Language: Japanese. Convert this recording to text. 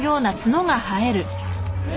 え！